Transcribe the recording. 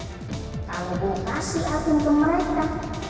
kalau belam asking alvin ke mereka